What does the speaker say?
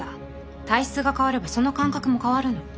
体質が変わればその感覚も変わるの。